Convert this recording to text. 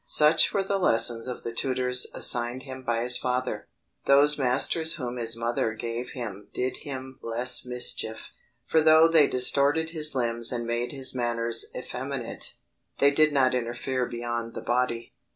Such were the lessons of the tutors assigned him by his father those masters whom his mother gave him did him less mischief; for though they distorted his limbs and made his manners effeminate, they did not interfere beyond the body.